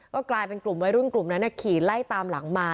ก็กลายเป็นกลุ่มวัยรุ่นกลุ่มนั้นขี่ไล่ตามหลังมา